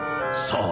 さあ。